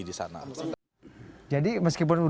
di sana jadi meskipun